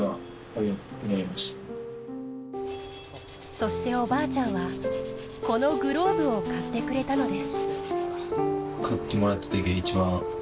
そしておばあちゃんはこのグローブを買ってくれたのです。